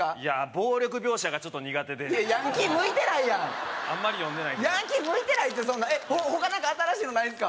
暴力描写がちょっと苦手でヤンキー向いてないやんあんまり読んでないけどヤンキー向いてないって他何か新しいのないですか？